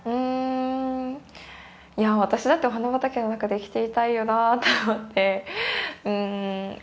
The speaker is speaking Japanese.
いやあ私だってお花畑の中で生きていたいよなと思って。